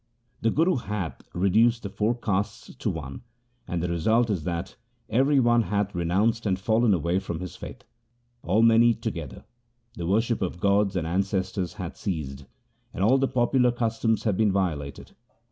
The Guru hath reduced the four castes to one, and the result is that every one hath renounced and fallen away from his faith. All men eat together. The worship of gods and ancestors hath ceased, and all the popular cus toms have been violated.